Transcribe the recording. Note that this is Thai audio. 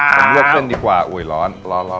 ผมเลือกขึ้นดีกว่าอุ้ยร้อน